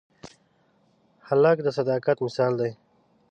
هلک د صداقت مثال دی.